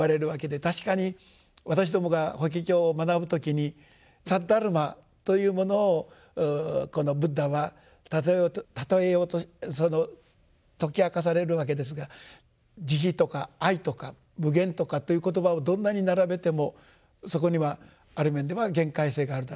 確かに私どもが「法華経」を学ぶ時に「サッダルマ」というものをブッダは譬えようとその説き明かされるわけですが「慈悲」とか「愛」とか「無限」とかという言葉をどんなに並べてもそこにはある面では限界性があるだろうと。